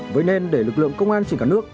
với nên để lực lượng công an trên cả nước